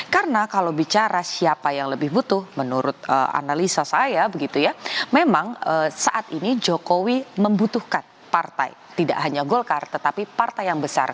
karena kalau bicara siapa yang lebih butuh menurut analisa saya begitu ya memang saat ini jokowi membutuhkan partai tidak hanya golkar tetapi partai yang besar